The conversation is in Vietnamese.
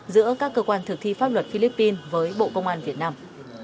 giữa các cơ quan thực thi pháp luật philippines với bộ công an việt nam